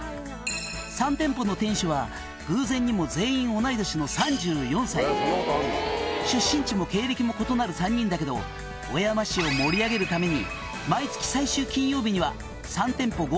「３店舗の店主は偶然にも全員同じ年の３４歳」「出身地も経歴も異なる３人だけど小山市を盛り上げるために」